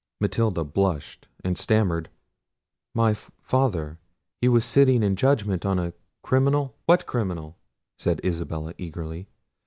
Matilda blushed and stammered— "My father—he was sitting in judgment on a criminal—" "What criminal?" said Isabella eagerly.